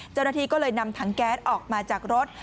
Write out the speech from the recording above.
เจ้าหน้าที่ก็เลยนำถังแก๊สออกมาจากรถ